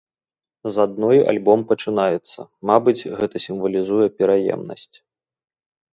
З адной альбом пачынаецца, мабыць, гэта сімвалізуе пераемнасць.